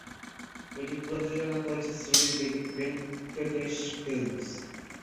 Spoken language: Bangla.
এটি প্রযোজনা করেছে শ্রী ভেঙ্কটেশ ফিল্মস।